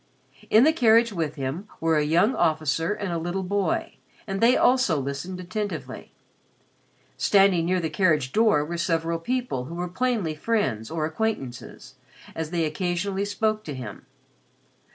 In the carriage with him were a young officer and a little boy, and they also listened attentively. Standing near the carriage door were several people who were plainly friends or acquaintances, as they occasionally spoke to him.